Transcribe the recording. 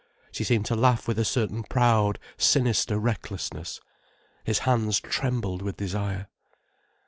She seemed to laugh with a certain proud, sinister recklessness. His hands trembled with desire.